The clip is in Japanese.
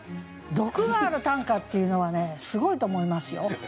毒がある短歌っていうのはねすごいと思いますよ。